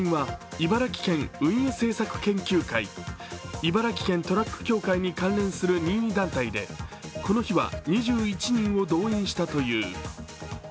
茨城県トラック協会に関連する任意団体でこの日は２１人を動員したという。